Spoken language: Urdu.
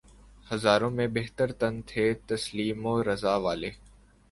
ہزاروں میں بہتر تن تھے تسلیم و رضا والے